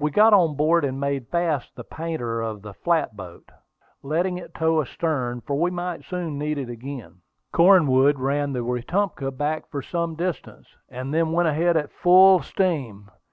We got on board and made fast the painter of the flat boat, letting it tow astern, for we might soon need it again. Cornwood ran the Wetumpka back for some distance, and then went ahead at full steam.